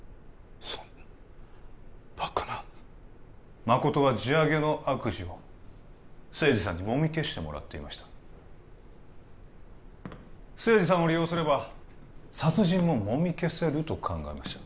そんなバカな誠は地上げの悪事を清二さんにもみ消してもらっていました清二さんを利用すれば殺人ももみ消せると考えました